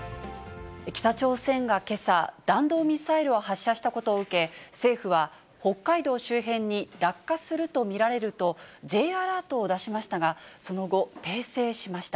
北朝鮮がけさ、弾道ミサイルを発射したことを受け、政府は北海道周辺に落下すると見られると、Ｊアラートを出しましたが、その後、訂正しました。